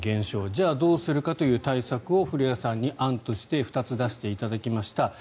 じゃあどうするかという対策を古屋さんに、案として２つ、出していただきました。